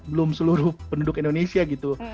belum seluruh penduduk indonesia gitu